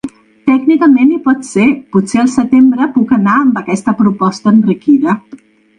Tècnicament hi pot ser, potser al setembre puc anar amb aquesta proposta enriquida.